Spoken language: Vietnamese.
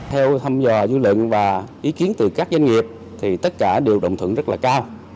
theo thăm dò dư luận và ý kiến từ các doanh nghiệp thì tất cả đều đồng thuận rất là cao